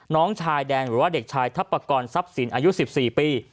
น้องชายแดงหรือว่าเด็กชายทัพปกรณ์ทรัพย์สินอายุ๑๔ปี